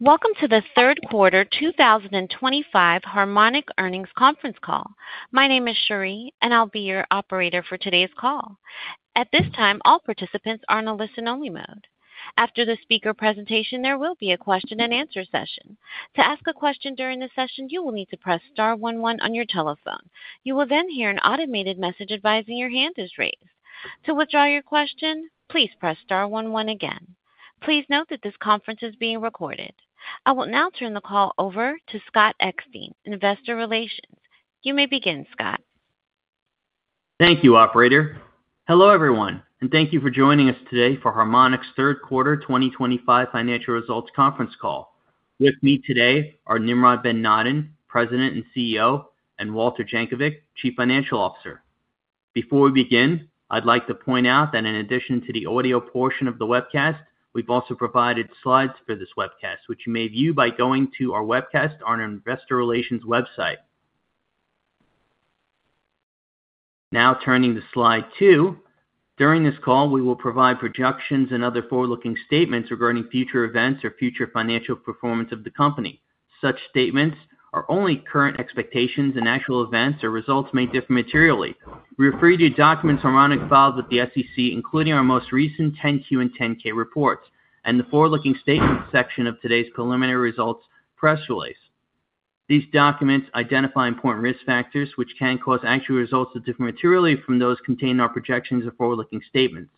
Welcome to the third quarter 2025 Harmonic earnings conference call. My name is Cherie, and I'll be your operator for today's call. At this time, all participants are in a listen-only mode. After the speaker presentation, there will be a question-and-answer session. To ask a question during the session, you will need to press star one one on your telephone. You will then hear an automated message advising your hand is raised. To withdraw your question, please press star one one again. Please note that this conference is being recorded. I will now turn the call over to Scott Extein, Investor Relations. You may begin, Scott. Thank you, Operator. Hello, everyone, and thank you for joining us today for Harmonic's third quarter 2025 financial results conference call. With me today are Nimrod Ben-Natan, President and CEO, and Walter Jankovic, Chief Financial Officer. Before we begin, I'd like to point out that in addition to the audio portion of the webcast, we've also provided slides for this webcast, which you may view by going to our webcast on our Investor Relations website. Now, turning to slide two, during this call, we will provide projections and other forward-looking statements regarding future events or future financial performance of the company. Such statements are only current expectations, and actual events or results may differ materially. We refer to documents Harmonic files with the SEC, including our most recent 10-Q and 10-K reports and the forward-looking statements section of today's preliminary results press release. These documents identify important risk factors which can cause actual results to differ materially from those contained in our projections and forward-looking statements.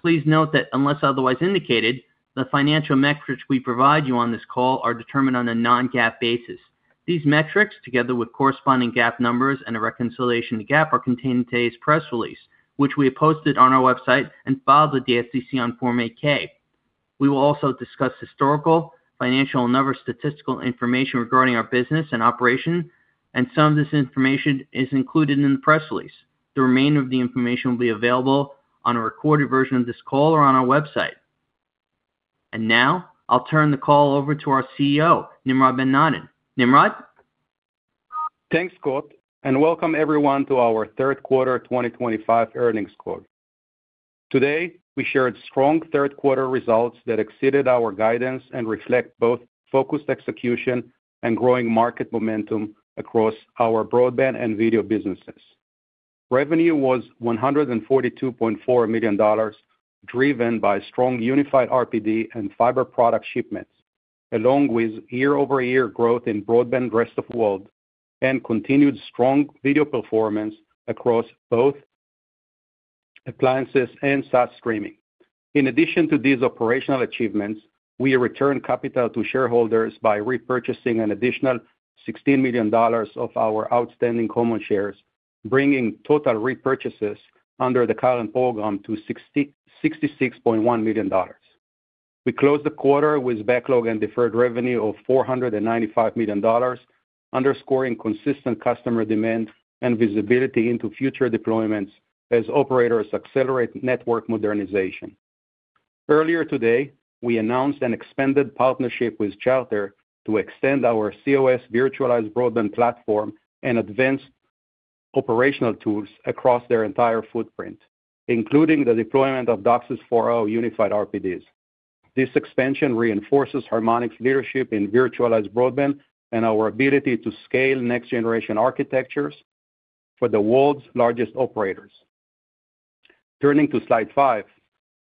Please note that, unless otherwise indicated, the financial metrics we provide you on this call are determined on a non-GAAP basis. These metrics, together with corresponding GAAP numbers and a reconciliation to GAAP, are contained in today's press release, which we have posted on our website and filed with the SEC on Form 8-K. We will also discuss historical, financial, and other statistical information regarding our business and operation, and some of this information is included in the press release. The remainder of the information will be available on a recorded version of this call or on our website. Now, I'll turn the call over to our CEO, Nimrod Ben-Natan. Nimrod? Thanks, Scott, and welcome everyone to our third quarter 2025 earnings call. Today, we shared strong third-quarter results that exceeded our guidance and reflect both focused execution and growing market momentum across our broadband and video businesses. Revenue was $142.4 million. Driven by strong unified RPD and fiber product shipments, along with year-over-year growth in broadband rest of world and continued strong video performance across both appliances and SaaS streaming. In addition to these operational achievements, we returned capital to shareholders by repurchasing an additional $16 million of our outstanding common shares, bringing total repurchases under the current program to $66.1 million. We closed the quarter with backlog and deferred revenue of $495 million, underscoring consistent customer demand and visibility into future deployments as operators accelerate network modernization. Earlier today, we announced an expanded partnership with Chowder to extend our COS virtualized broadband platform and advanced operational tools across their entire footprint, including the deployment of DOCSIS 4.0 unified RPDs. This expansion reinforces Harmonic's leadership in virtualized broadband and our ability to scale next-generation architectures for the world's largest operators. Turning to slide five,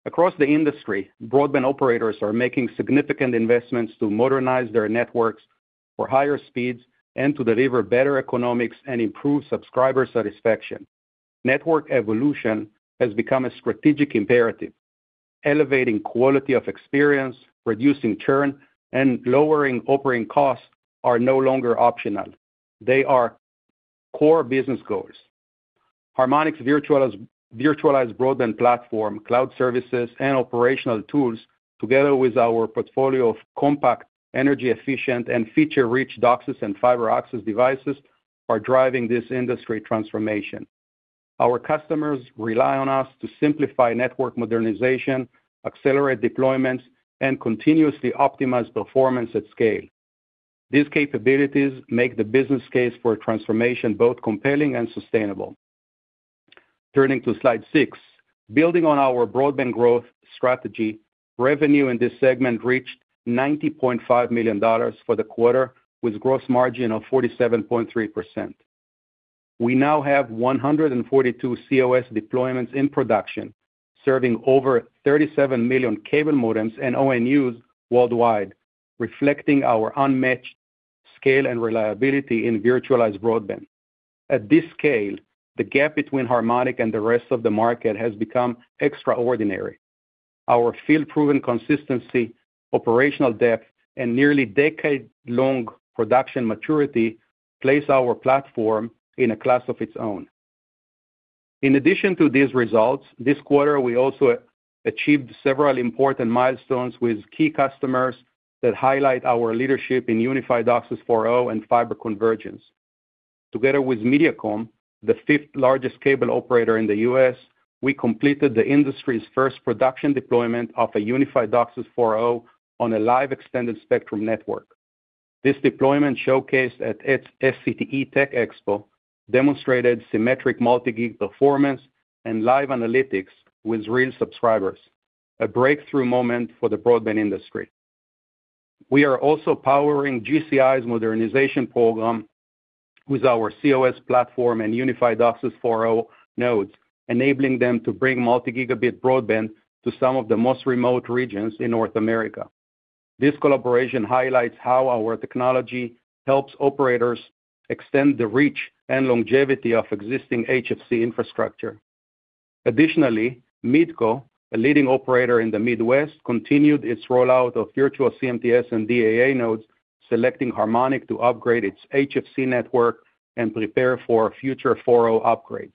across the industry, broadband operators are making significant investments to modernize their networks for higher speeds and to deliver better economics and improved subscriber satisfaction. Network evolution has become a strategic imperative. Elevating quality of experience, reducing churn, and lowering operating costs are no longer optional. They are core business goals. Harmonic's virtualized broadband platform, cloud services, and operational tools, together with our portfolio of compact, energy-efficient, and feature-rich DOCSIS and fiber access devices, are driving this industry transformation. Our customers rely on us to simplify network modernization, accelerate deployments, and continuously optimize performance at scale. These capabilities make the business case for a transformation both compelling and sustainable. Turning to slide six, building on our broadband growth strategy, revenue in this segment reached $90.5 million for the quarter with a gross margin of 47.3%. We now have 142 COS deployments in production, serving over 37 million cable modems and ONUs worldwide, reflecting our unmatched scale and reliability in virtualized broadband. At this scale, the gap between Harmonic and the rest of the market has become extraordinary. Our field-proven consistency, operational depth, and nearly decade-long production maturity place our platform in a class of its own. In addition to these results, this quarter, we also achieved several important milestones with key customers that highlight our leadership in unified DOCSIS 4.0 and fiber convergence. Together with Mediacom, the fifth-largest cable operator in the US, we completed the industry's first production deployment of a unified DOCSIS 4.0 on a live extended spectrum network. This deployment showcased at its SCTE Tech Expo demonstrated symmetric multi-gig performance and live analytics with real subscribers, a breakthrough moment for the broadband industry. We are also powering GCI's modernization program with our COS platform and unified DOCSIS 4.0 nodes, enabling them to bring multi-gigabit broadband to some of the most remote regions in North America. This collaboration highlights how our technology helps operators extend the reach and longevity of existing HFC infrastructure. Additionally, Midco, a leading operator in the Midwest, continued its rollout of virtual CMTS and DAA nodes, selecting Harmonic to upgrade its HFC network and prepare for future 4.0 upgrades.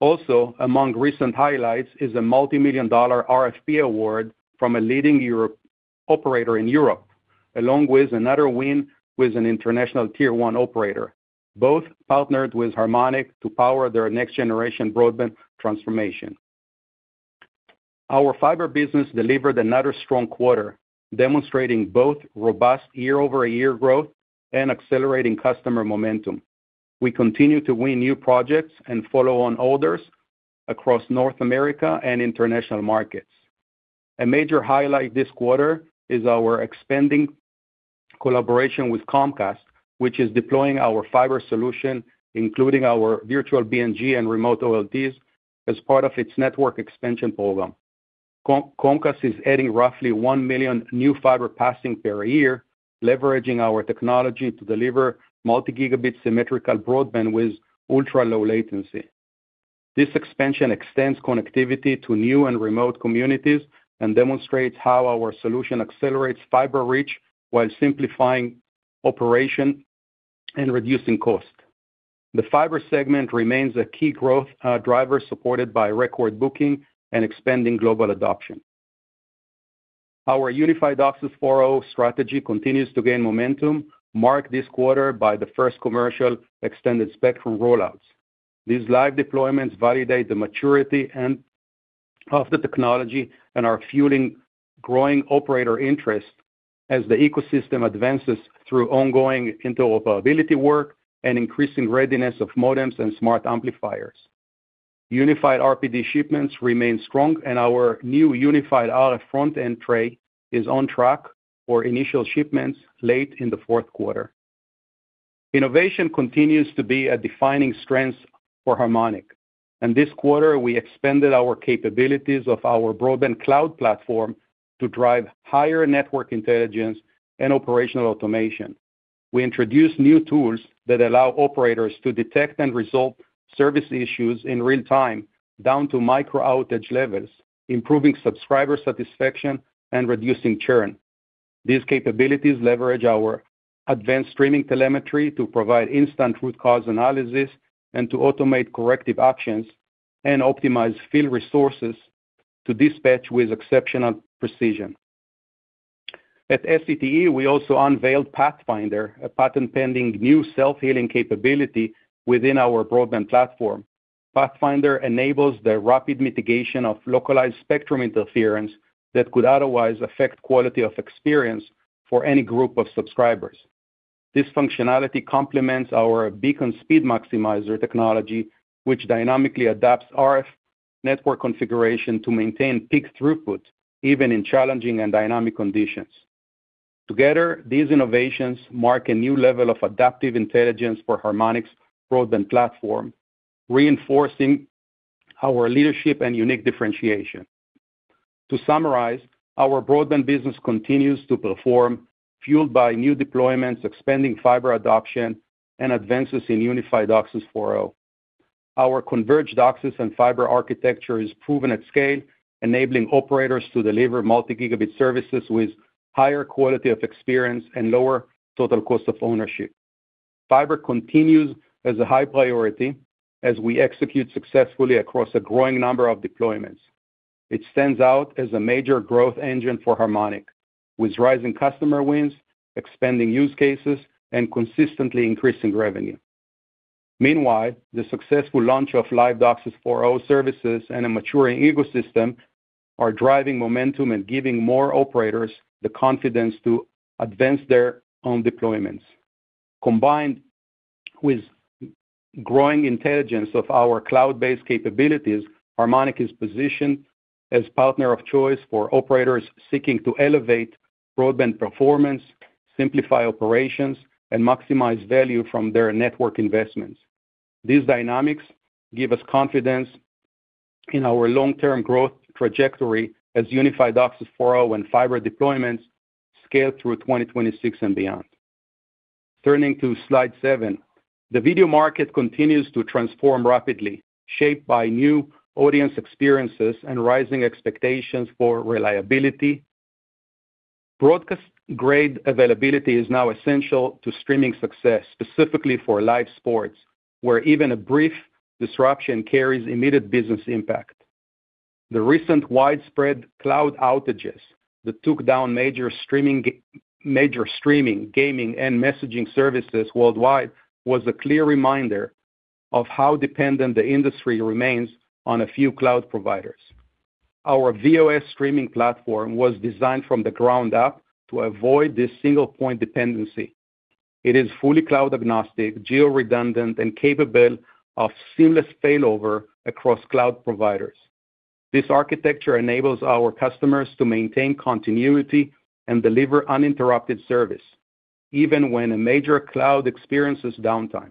Also, among recent highlights is a multi-million dollar RFP award from a leading operator in Europe, along with another win with an international tier one operator, both partnered with Harmonic to power their next-generation broadband transformation. Our fiber business delivered another strong quarter, demonstrating both robust year-over-year growth and accelerating customer momentum. We continue to win new projects and follow-on orders across North America and international markets. A major highlight this quarter is our expanding collaboration with Comcast, which is deploying our fiber solution, including our virtual BNG and remote OLTs, as part of its network expansion program. Comcast is adding roughly 1 million new fiber passing per year, leveraging our technology to deliver multi-gigabit symmetrical broadband with ultra-low latency. This expansion extends connectivity to new and remote communities and demonstrates how our solution accelerates fiber reach while simplifying operation and reducing cost. The fiber segment remains a key growth driver, supported by record booking and expanding global adoption. Our unified DOCSIS 4.0 strategy continues to gain momentum, marked this quarter by the first commercial extended spectrum rollouts. These live deployments validate the maturity of the technology and are fueling growing operator interest as the ecosystem advances through ongoing interoperability work and increasing readiness of modems and smart amplifiers. Unified RPD shipments remain strong, and our new unified RF front-end tray is on track for initial shipments late in the fourth quarter. Innovation continues to be a defining strength for Harmonic, and this quarter, we expanded our capabilities of our broadband cloud platform to drive higher network intelligence and operational automation. We introduced new tools that allow operators to detect and resolve service issues in real time down to micro outage levels, improving subscriber satisfaction and reducing churn. These capabilities leverage our advanced streaming telemetry to provide instant root cause analysis and to automate corrective actions and optimize field resources to dispatch with exceptional precision. At SCTE, we also unveiled Pathfinder, a patent-pending new self-healing capability within our broadband platform. Pathfinder enables the rapid mitigation of localized spectrum interference that could otherwise affect quality of experience for any group of subscribers. This functionality complements our Beacon Speed Maximizer technology, which dynamically adapts RF network configuration to maintain peak throughput even in challenging and dynamic conditions. Together, these innovations mark a new level of adaptive intelligence for Harmonic's broadband platform, reinforcing our leadership and unique differentiation. To summarize, our broadband business continues to perform, fueled by new deployments, expanding fiber adoption, and advances in unified DOCSIS 4.0. Our converged DOCSIS and fiber architecture is proven at scale, enabling operators to deliver multi-gigabit services with higher quality of experience and lower total cost of ownership. Fiber continues as a high priority as we execute successfully across a growing number of deployments. It stands out as a major growth engine for Harmonic, with rising customer wins, expanding use cases, and consistently increasing revenue. Meanwhile, the successful launch of live DOCSIS 4.0 services and a maturing ecosystem are driving momentum and giving more operators the confidence to advance their own deployments. Combined with growing intelligence of our cloud-based capabilities, Harmonic is positioned as a partner of choice for operators seeking to elevate broadband performance, simplify operations, and maximize value from their network investments. These dynamics give us confidence in our long-term growth trajectory as unified DOCSIS 4.0 and fiber deployments scale through 2026 and beyond. Turning to slide seven, the video market continues to transform rapidly, shaped by new audience experiences and rising expectations for reliability. Broadcast-grade availability is now essential to streaming success, specifically for live sports, where even a brief disruption carries immediate business impact. The recent widespread cloud outages that took down major streaming, gaming, and messaging services worldwide were a clear reminder of how dependent the industry remains on a few cloud providers. Our VOS streaming platform was designed from the ground up to avoid this single-point dependency. It is fully cloud-agnostic, geo-redundant, and capable of seamless failover across cloud providers. This architecture enables our customers to maintain continuity and deliver uninterrupted service, even when a major cloud experiences downtime.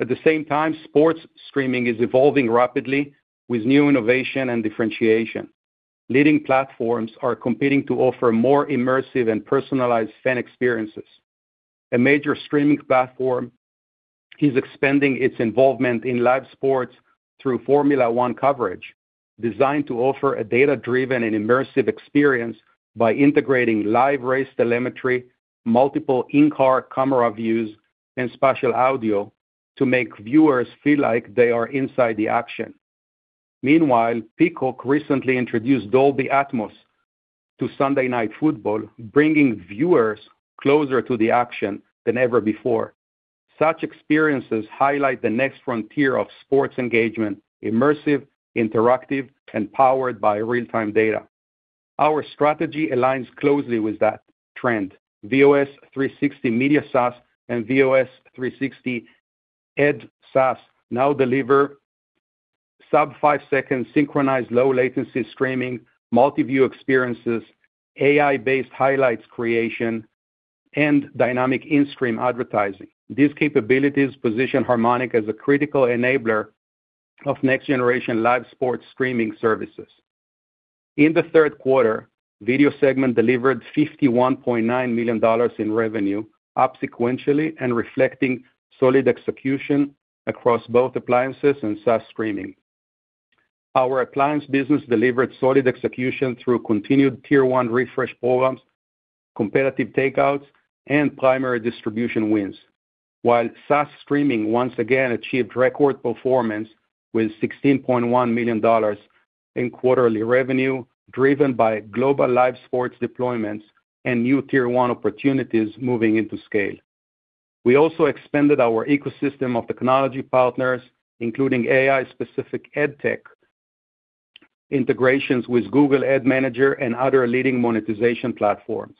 At the same time, sports streaming is evolving rapidly with new innovation and differentiation. Leading platforms are competing to offer more immersive and personalized fan experiences. A major streaming platform is expanding its involvement in live sports through Formula One coverage, designed to offer a data-driven and immersive experience by integrating live race telemetry, multiple in-car camera views, and spatial audio to make viewers feel like they are inside the action. Meanwhile, Peacock recently introduced Dolby Atmos to Sunday night football, bringing viewers closer to the action than ever before. Such experiences highlight the next frontier of sports engagement: immersive, interactive, and powered by real-time data. Our strategy aligns closely with that trend. VOS 360 MediaSaaS and VOS 360 EdSaaS now deliver sub-five-second synchronized low-latency streaming, multi-view experiences, AI-based highlights creation, and dynamic in-stream advertising. These capabilities position Harmonic as a critical enabler of next-generation live sports streaming services. In the third quarter, video segment delivered $51.9 million in revenue, up sequentially and reflecting solid execution across both appliances and SaaS streaming. Our appliance business delivered solid execution through continued tier one refresh programs, competitive takeouts, and primary distribution wins, while SaaS streaming once again achieved record performance with $16.1 million in quarterly revenue, driven by global live sports deployments and new tier one opportunities moving into scale. We also expanded our ecosystem of technology partners, including AI-specific EdTech integrations with Google Ad Manager and other leading monetization platforms.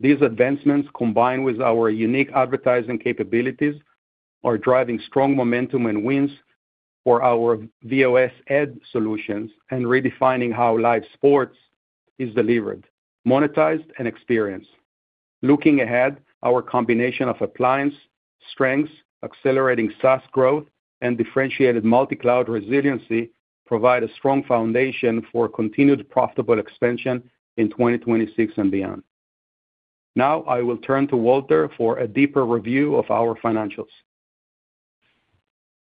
These advancements, combined with our unique advertising capabilities, are driving strong momentum and wins for our VOS Ed solutions and redefining how live sports is delivered, monetized, and experienced. Looking ahead, our combination of appliance strengths, accelerating SaaS growth, and differentiated multi-cloud resiliency provides a strong foundation for continued profitable expansion in 2026 and beyond. Now, I will turn to Walter for a deeper review of our financials.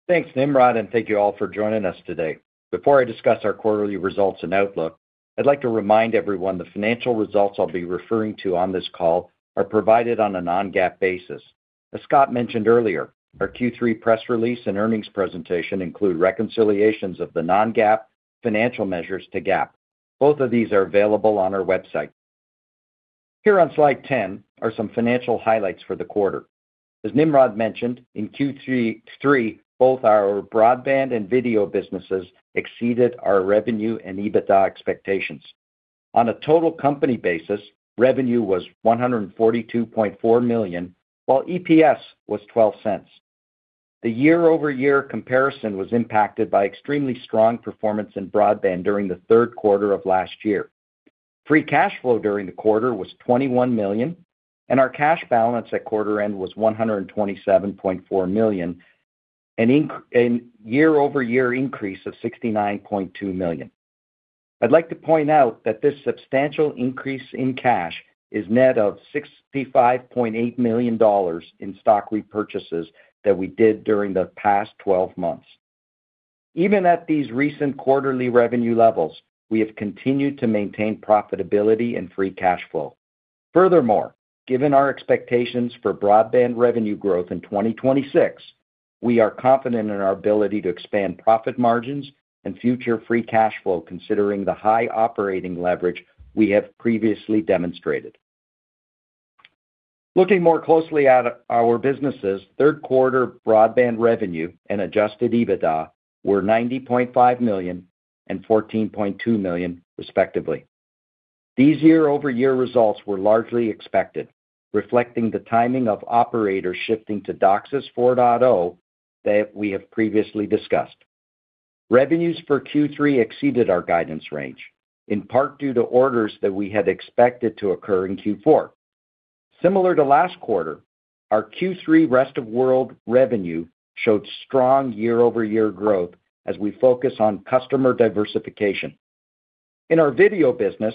Thanks, Nimrod, and thank you all for joining us today. Before I discuss our quarterly results and outlook, I'd like to remind everyone the financial results I'll be referring to on this call are provided on a non-GAAP basis. As Scott mentioned earlier, our Q3 press release and earnings presentation include reconciliations of the non-GAAP financial measures to GAAP. Both of these are available on our website. Here on slide 10 are some financial highlights for the quarter. As Nimrod mentioned, in Q3, both our broadband and video businesses exceeded our revenue and EBITDA expectations. On a total company basis, revenue was $142.4 million, while EPS was $0.12. The year-over-year comparison was impacted by extremely strong performance in broadband during the third quarter of last year. Free cash flow during the quarter was $21 million, and our cash balance at quarter-end was $127.4 million, a year-over-year increase of $69.2 million. I'd like to point out that this substantial increase in cash is net of $65.8 million in stock repurchases that we did during the past 12 months. Even at these recent quarterly revenue levels, we have continued to maintain profitability and free cash flow. Furthermore, given our expectations for broadband revenue growth in 2026, we are confident in our ability to expand profit margins and future free cash flow, considering the high operating leverage we have previously demonstrated. Looking more closely at our businesses, third-quarter broadband revenue and adjusted EBITDA were $90.5 million and $14.2 million, respectively. These year-over-year results were largely expected, reflecting the timing of operators shifting to DOCSIS 4.0 that we have previously discussed. Revenues for Q3 exceeded our guidance range, in part due to orders that we had expected to occur in Q4. Similar to last quarter, our Q3 rest-of-world revenue showed strong year-over-year growth as we focus on customer diversification. In our video business,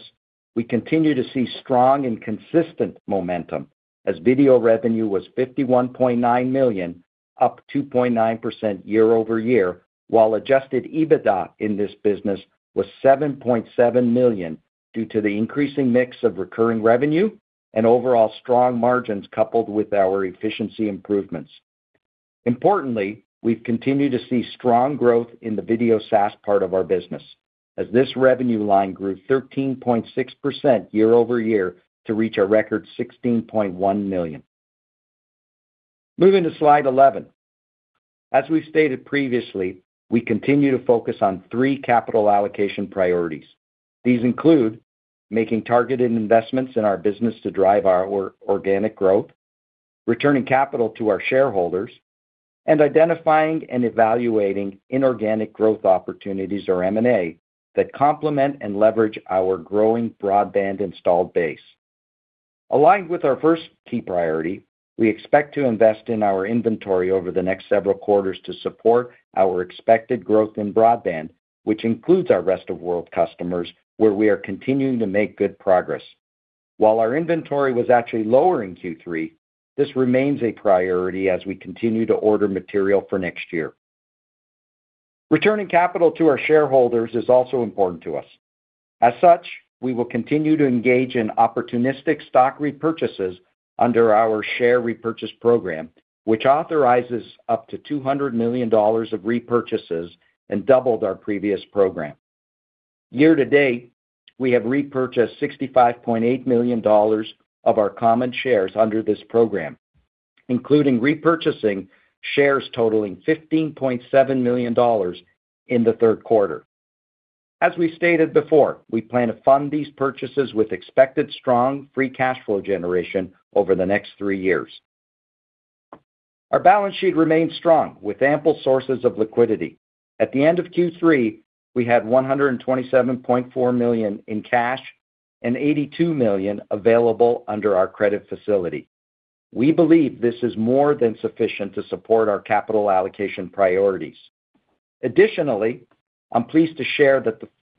we continue to see strong and consistent momentum, as video revenue was $51.9 million, up 2.9% year-over-year, while adjusted EBITDA in this business was $7.7 million due to the increasing mix of recurring revenue and overall strong margins coupled with our efficiency improvements. Importantly, we've continued to see strong growth in the video SaaS part of our business, as this revenue line grew 13.6% year-over-year to reach a record $16.1 million. Moving to slide 11. As we've stated previously, we continue to focus on three capital allocation priorities. These include making targeted investments in our business to drive our organic growth, returning capital to our shareholders, and identifying and evaluating inorganic growth opportunities, or M&A, that complement and leverage our growing broadband installed base. Aligned with our first key priority, we expect to invest in our inventory over the next several quarters to support our expected growth in broadband, which includes our rest of world customers, where we are continuing to make good progress. While our inventory was actually lower in Q3, this remains a priority as we continue to order material for next year. Returning capital to our shareholders is also important to us. As such, we will continue to engage in opportunistic stock repurchases under our share repurchase program, which authorizes up to $200 million of repurchases and doubled our previous program. Year to date, we have repurchased $65.8 million of our common shares under this program, including repurchasing shares totaling $15.7 million in the third quarter. As we stated before, we plan to fund these purchases with expected strong free cash flow generation over the next three years. Our balance sheet remains strong with ample sources of liquidity. At the end of Q3, we had $127.4 million in cash and $82 million available under our credit facility. We believe this is more than sufficient to support our capital allocation priorities. Additionally, I'm pleased to share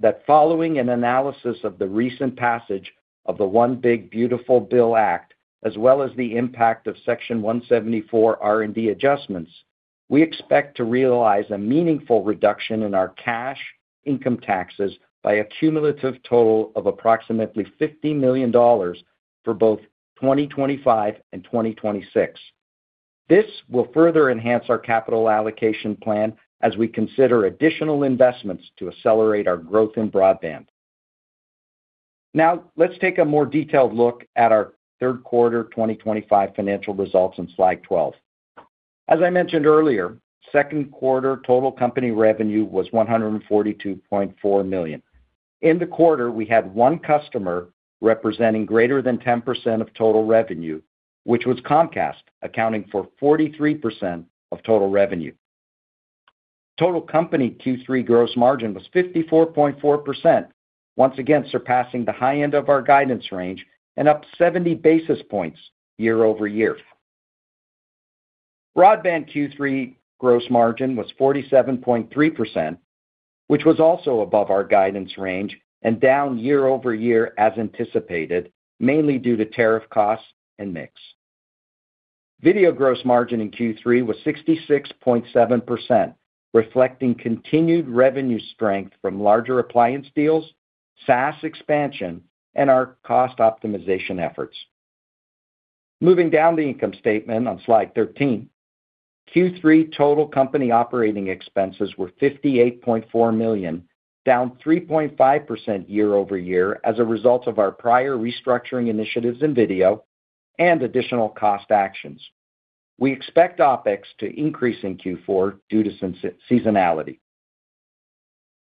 that following an analysis of the recent passage of the One Big Beautiful Bill Act, as well as the impact of Section 174 R&D adjustments, we expect to realize a meaningful reduction in our cash income taxes by a cumulative total of approximately $50 million for both 2025 and 2026. This will further enhance our capital allocation plan as we consider additional investments to accelerate our growth in broadband. Now, let's take a more detailed look at our third quarter 2025 financial results in slide 12. As I mentioned earlier, second quarter total company revenue was $142.4 million. In the quarter, we had one customer representing greater than 10% of total revenue, which was Comcast, accounting for 43% of total revenue. Total company Q3 gross margin was 54.4%, once again surpassing the high end of our guidance range and up 70 basis points year-over-year. Broadband Q3 gross margin was 47.3%, which was also above our guidance range and down year-over-year as anticipated, mainly due to tariff costs and mix. Video gross margin in Q3 was 66.7%, reflecting continued revenue strength from larger appliance deals, SaaS expansion, and our cost optimization efforts. Moving down the income statement on slide 13, Q3 total company operating expenses were $58.4 million, down 3.5% year-over-year as a result of our prior restructuring initiatives in video and additional cost actions. We expect operating expenses to increase in Q4 due to seasonality.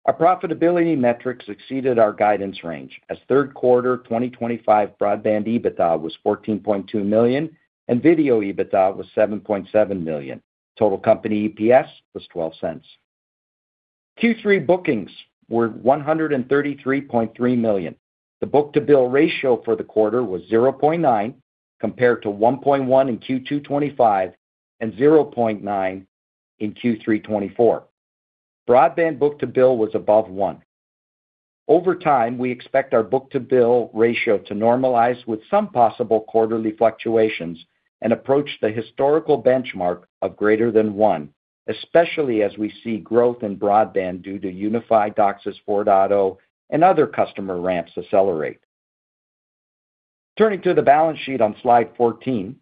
Our profitability metrics exceeded our guidance range, as third quarter 2025 broadband EBITDA was $14.2 million and video EBITDA was $7.7 million. Total company EPS was $0.12. Q3 bookings were $133.3 million. The book-to-bill ratio for the quarter was 0.9, compared to 1.1 in Q2 2025 and 0.9 in Q3 2024. Broadband book-to-bill was above one. Over time, we expect our book-to-bill ratio to normalize with some possible quarterly fluctuations and approach the historical benchmark of greater than one, especially as we see growth in broadband due to Unified DOCSIS 4.0 and other customer ramps accelerate. Turning to the balance sheet on slide 14,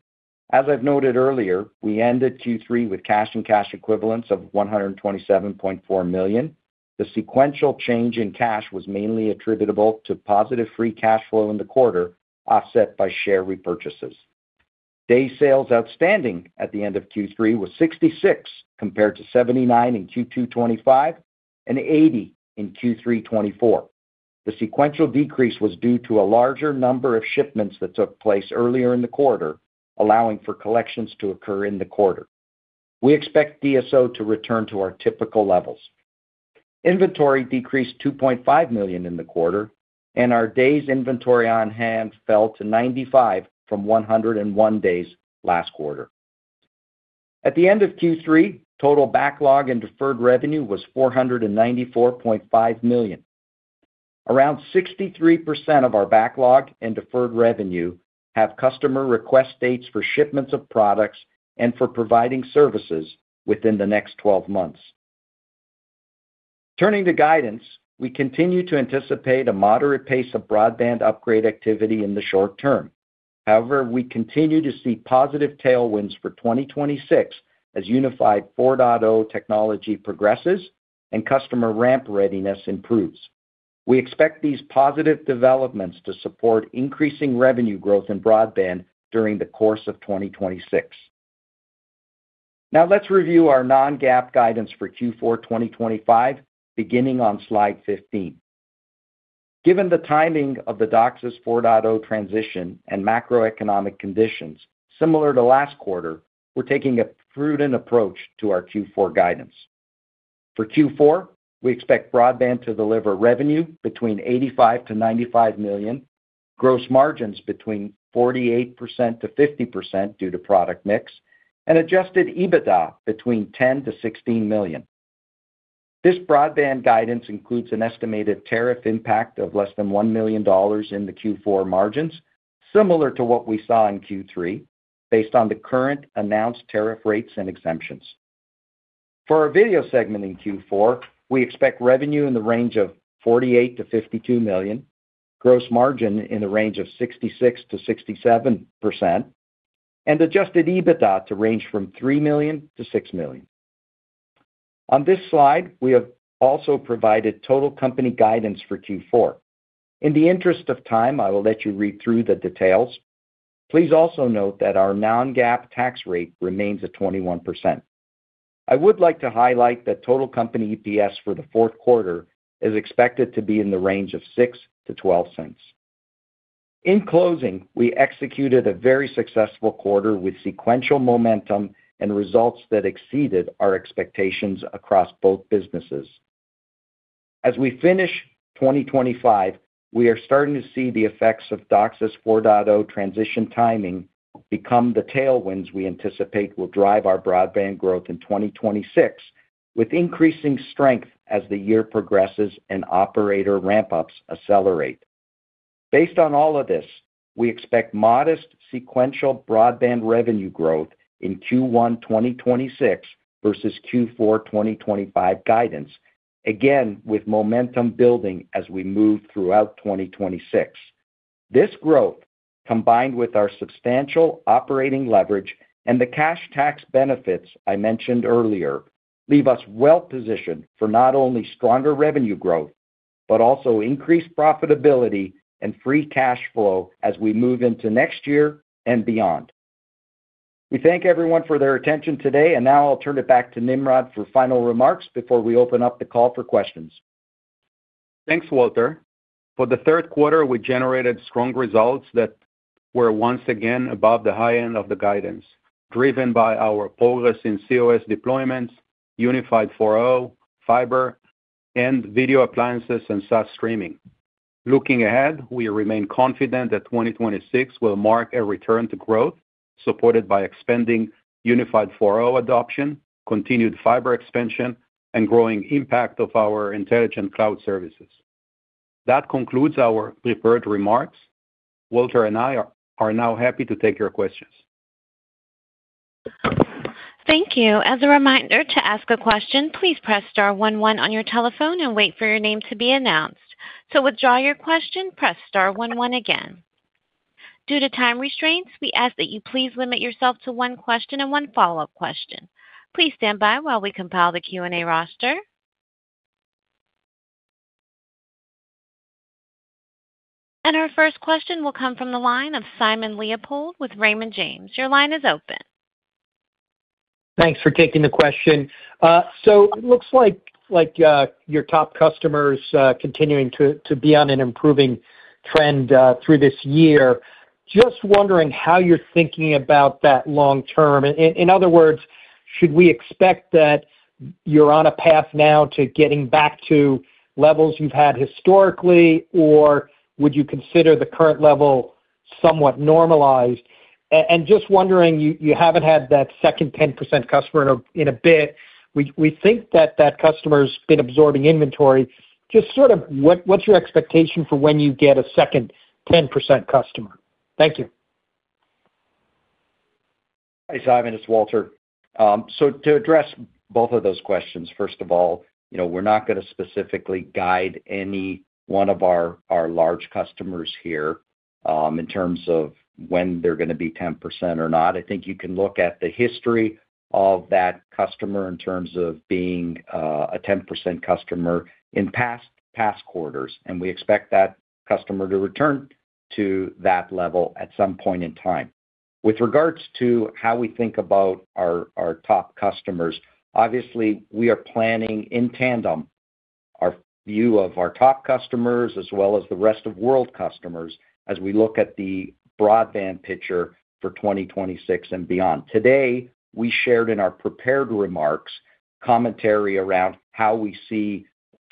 as I've noted earlier, we ended Q3 with cash and cash equivalents of $127.4 million. The sequential change in cash was mainly attributable to positive free cash flow in the quarter, offset by share repurchases. Day sales outstanding at the end of Q3 was $66, compared to $79 in Q2 2025 and $80 in Q3 2024. The sequential decrease was due to a larger number of shipments that took place earlier in the quarter, allowing for collections to occur in the quarter. We expect DSO to return to our typical levels. Inventory decreased $2.5 million in the quarter, and our days inventory on hand fell to $95 from $101 days last quarter. At the end of Q3, total backlog and deferred revenue was $494.5 million. Around 63% of our backlog and deferred revenue have customer request dates for shipments of products and for providing services within the next 12 months. Turning to guidance, we continue to anticipate a moderate pace of broadband upgrade activity in the short term. However, we continue to see positive tailwinds for 2026 as Unified 4.0 technology progresses and customer ramp readiness improves. We expect these positive developments to support increasing revenue growth in broadband during the course of 2026. Now, let's review our non-GAAP guidance for Q4 2025, beginning on slide 15. Given the timing of the DOCSIS 4.0 transition and macroeconomic conditions, similar to last quarter, we're taking a prudent approach to our Q4 guidance. For Q4, we expect broadband to deliver revenue between $85-$95 million, gross margins between 48%-50% due to product mix, and adjusted EBITDA between $10-$16 million. This broadband guidance includes an estimated tariff impact of less than $1 million in the Q4 margins, similar to what we saw in Q3, based on the current announced tariff rates and exemptions. For our video segment in Q4, we expect revenue in the range of $48-$52 million, gross margin in the range of 66%-67%, and adjusted EBITDA to range from $3 million to $6 million. On this slide, we have also provided total company guidance for Q4. In the interest of time, I will let you read through the details. Please also note that our non-GAAP tax rate remains at 21%. I would like to highlight that total company EPS for the fourth quarter is expected to be in the range of $0.06-$0.12. In closing, we executed a very successful quarter with sequential momentum and results that exceeded our expectations across both businesses. As we finish 2025, we are starting to see the effects of DOCSIS 4.0 transition timing become the tailwinds we anticipate will drive our broadband growth in 2026, with increasing strength as the year progresses and operator ramp-ups accelerate. Based on all of this, we expect modest sequential broadband revenue growth in Q1 2026 versus Q4 2025 guidance, again with momentum building as we move throughout 2026. This growth, combined with our substantial operating leverage and the cash tax benefits I mentioned earlier, leave us well positioned for not only stronger revenue growth, but also increased profitability and free cash flow as we move into next year and beyond. We thank everyone for their attention today, and now I'll turn it back to Nimrod for final remarks before we open up the call for questions. Thanks, Walter. For the third quarter, we generated strong results that were once again above the high end of the guidance, driven by our progress in COS deployments, Unified 4.0, fiber, and video appliances and SaaS streaming. Looking ahead, we remain confident that 2026 will mark a return to growth, supported by expanding Unified 4.0 adoption, continued fiber expansion, and growing impact of our intelligent cloud services. That concludes our prepared remarks. Walter and I are now happy to take your questions. Thank you. As a reminder, to ask a question, please press star 11 on your telephone and wait for your name to be announced. To withdraw your question, press star 11 again. Due to time restraints, we ask that you please limit yourself to one question and one follow-up question. Please stand by while we compile the Q&A roster. Our first question will come from the line of Simon Leopold with Raymond James. Your line is open. Thanks for taking the question. It looks like your top customers are continuing to be on an improving trend through this year. Just wondering how you're thinking about that long term. In other words, should we expect that you're on a path now to getting back to levels you've had historically, or would you consider the current level somewhat normalized? Just wondering, you haven't had that second 10% customer in a bit. We think that that customer has been absorbing inventory. What's your expectation for when you get a second 10% customer? Thank you. Hi, Simon. It's Walter. To address both of those questions, first of all, we're not going to specifically guide any one of our large customers here in terms of when they're going to be 10% or not. I think you can look at the history of that customer in terms of being a 10% customer in past quarters, and we expect that customer to return to that level at some point in time. With regards to how we think about. Our top customers, obviously, we are planning in tandem our view of our top customers as well as the rest of world customers as we look at the broadband picture for 2026 and beyond. Today, we shared in our prepared remarks commentary around how we see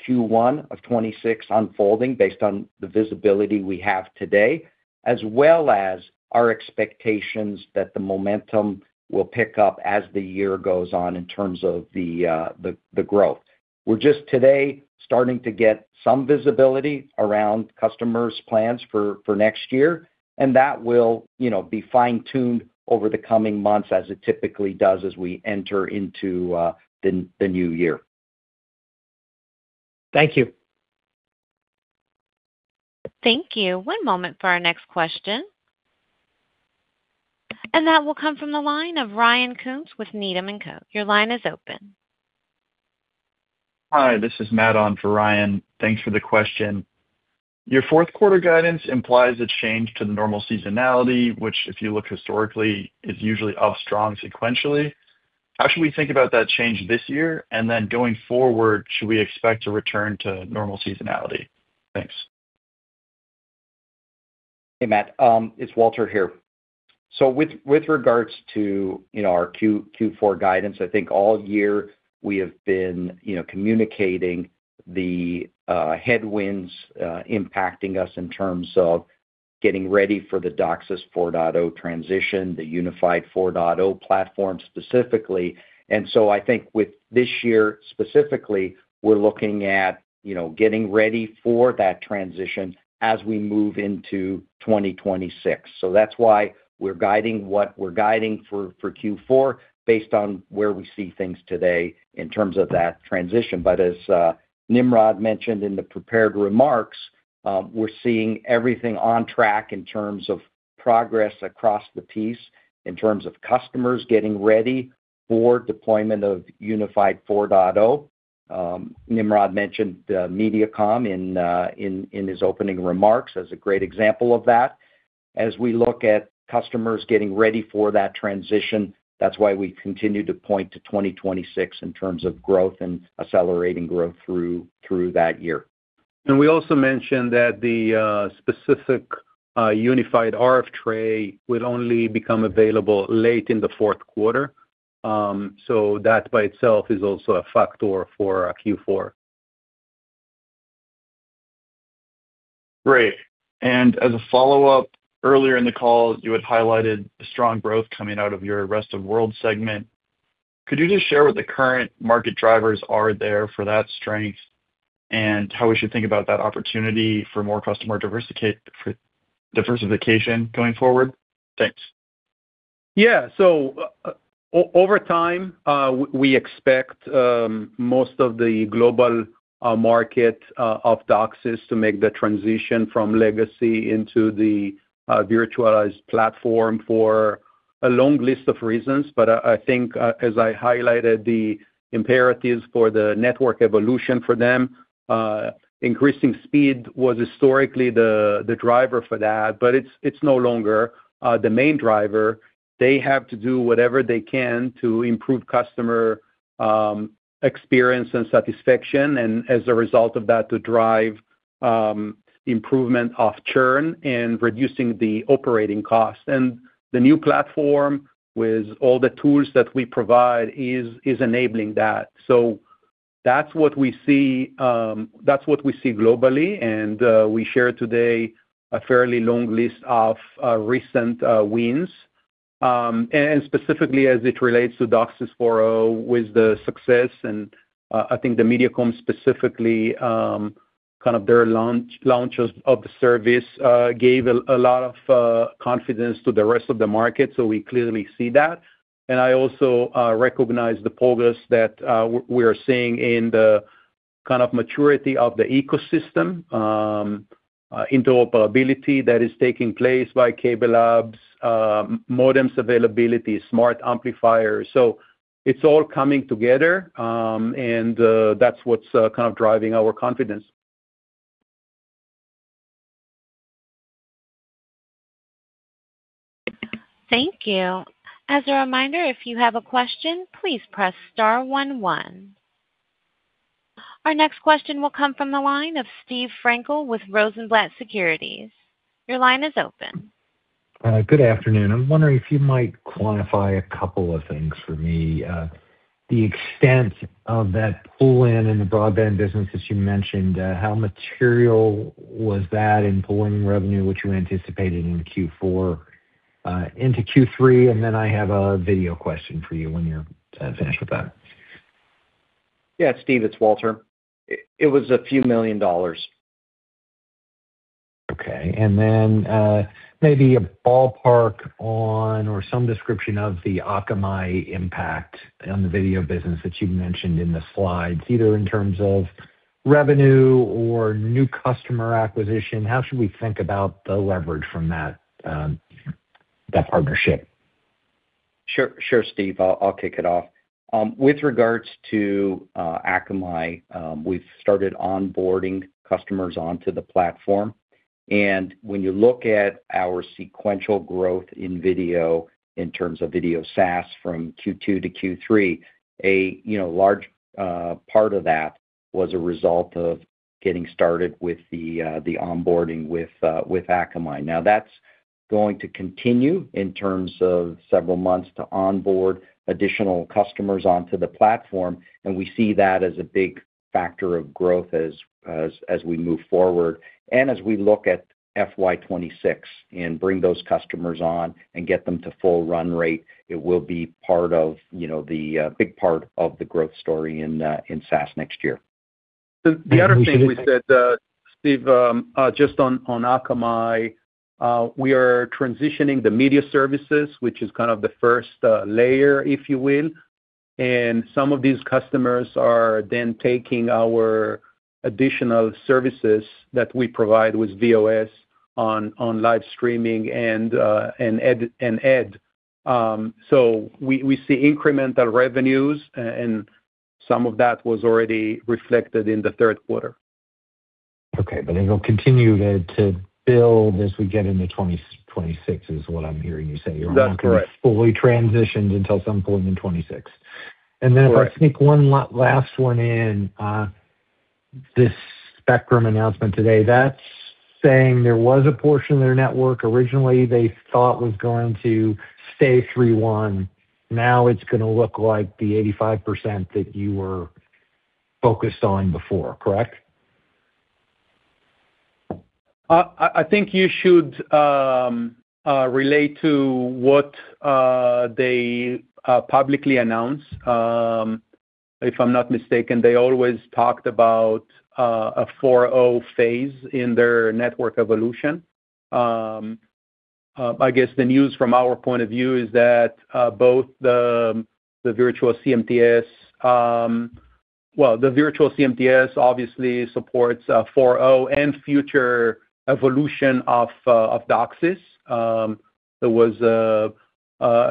Q1 of 2026 unfolding based on the visibility we have today, as well as our expectations that the momentum will pick up as the year goes on in terms of the growth. We're just today starting to get some visibility around customers' plans for next year, and that will be fine-tuned over the coming months as it typically does as we enter into the new year. Thank you. Thank you. One moment for our next question. And that will come from the line of Ryan Coombs with Needham & Co. Your line is open. Hi, this is Matt on for Ryan. Thanks for the question. Your fourth quarter guidance implies a change to the normal seasonality, which, if you look historically, is usually up strong sequentially. How should we think about that change this year, and then going forward, should we expect to return to normal seasonality? Thanks. Hey, Matt. It's Walter here. With regards to our Q4 guidance, I think all year we have been communicating the headwinds impacting us in terms of getting ready for the DOCSIS 4.0 transition, the Unified 4.0 platform specifically. I think with this year specifically, we're looking at getting ready for that transition as we move into 2026. That's why we're guiding what we're guiding for Q4 based on where we see things today in terms of that transition. As Nimrod mentioned in the prepared remarks, we're seeing everything on track in terms of progress across the piece, in terms of customers getting ready for deployment of Unified 4.0. Nimrod mentioned Mediacom in his opening remarks as a great example of that. As we look at customers getting ready for that transition, that's why we continue to point to 2026 in terms of growth and accelerating growth through that year. We also mentioned that the specific Unified RF tray will only become available late in the fourth quarter. That by itself is also a factor for Q4. Great. As a follow-up, earlier in the call, you had highlighted strong growth coming out of your rest of world segment. Could you just share what the current market drivers are there for that strength and how we should think about that opportunity for more customer diversification going forward? Thanks. Yeah. Over time, we expect most of the global market of DOCSIS to make the transition from legacy into the virtualized platform for a long list of reasons. I think, as I highlighted, the imperatives for the network evolution for them, increasing speed was historically the driver for that, but it's no longer the main driver. They have to do whatever they can to improve customer. Experience and satisfaction, and as a result of that, to drive improvement of churn and reducing the operating cost. The new platform, with all the tools that we provide, is enabling that. That is what we see. That is what we see globally. We shared today a fairly long list of recent wins. Specifically, as it relates to DOCSIS 4.0, with the success, and I think the Mediacom specifically, kind of their launch of the service gave a lot of confidence to the rest of the market. We clearly see that. I also recognize the progress that we are seeing in the kind of maturity of the ecosystem. Interoperability that is taking place by Cable Labs. Modems, availability, smart amplifiers. It is all coming together, and that is what is kind of driving our confidence. Thank you. As a reminder, if you have a question, please press star one one. Our next question will come from the line of Steve Frankel with Rosenblatt Securities. Your line is open. Good afternoon. I am wondering if you might quantify a couple of things for me. The extent of that pull-in in the broadband business, as you mentioned, how material was that in pulling revenue, which you anticipated in Q4, into Q3? I have a video question for you when you are finished with that. Yeah, Steve, it is Walter. It was a few million dollars. Okay. Maybe a ballpark on or some description of the Akamai impact on the video business that you mentioned in the slides, either in terms of revenue or new customer acquisition, how should we think about the leverage from that partnership? Sure. Sure, Steve. I will kick it off. With regards to Akamai, we have started onboarding customers onto the platform. When you look at our sequential growth in video in terms of video SaaS from Q2 to Q3, a large part of that was a result of getting started with the onboarding with Akamai. That is going to continue in terms of several months to onboard additional customers onto the platform. We see that as a big factor of growth as we move forward. As we look at FY2026 and bring those customers on and get them to full run rate, it will be part of the big part of the growth story in SaaS next year. The other thing we said, Steve, just on Akamai. We are transitioning the media services, which is kind of the first layer, if you will. Some of these customers are then taking our additional services that we provide with VOS on live streaming and Ed. We see incremental revenues, and some of that was already reflected in the third quarter. Okay. It will continue to build as we get into 2026 is what I am hearing you say. You are almost fully transitioned until some point in 2026. If I sneak one last one in. This spectrum announcement today, that's saying there was a portion of their network originally they thought was going to stay 3.1. Now it's going to look like the 85% that you were focused on before, correct? I think you should relate to what they publicly announced. If I'm not mistaken, they always talked about a 4.0 phase in their network evolution. I guess the news from our point of view is that both the virtual CMTS, well, the virtual CMTS obviously supports 4.0 and future evolution of DOCSIS. There was a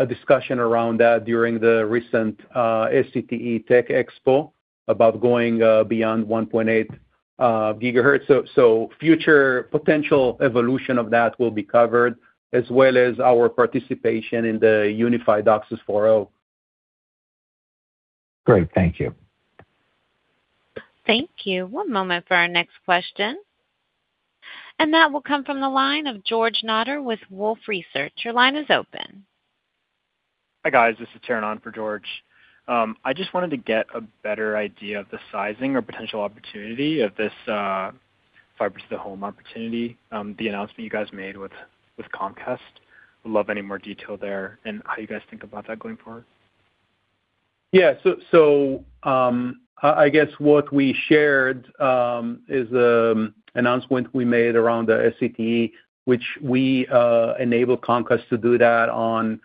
discussion around that during the recent SCTE Tech Expo about going beyond 1.8GHz. So future potential evolution of that will be covered, as well as our participation in the Unified DOCSIS 4.0. Great. Thank you. Thank you. One moment for our next question. And that will come from the line of George Nodder with Wolfe Research. Your line is open. Hi, guys. This is Taron on for George. I just wanted to get a better idea of the sizing or potential opportunity of this fiber to the home opportunity, the announcement you guys made with Comcast. Would love any more detail there and how you guys think about that going forward. Yeah. So I guess what we shared is the announcement we made around the SCTE, which we enable Comcast to do that on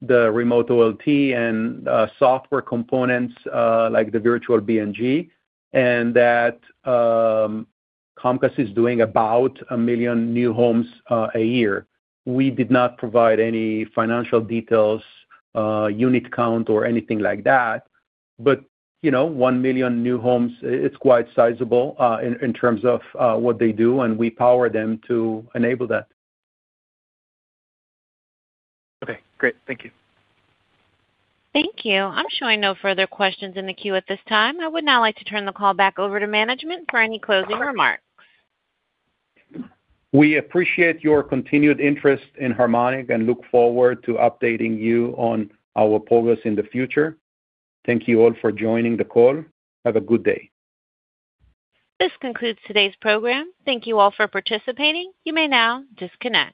the remote OLT and software components like the virtual BNG, and that Comcast is doing about a million new homes a year. We did not provide any financial details, unit count, or anything like that. But one million new homes, it's quite sizable in terms of what they do, and we power them to enable that. Okay. Great. Thank you. Thank you. I'm showing no further questions in the queue at this time. I would now like to turn the call back over to management for any closing remarks. We appreciate your continued interest in Harmonic and look forward to updating you on our progress in the future. Thank you all for joining the call. Have a good day. This concludes today's program. Thank you all for participating. You may now disconnect.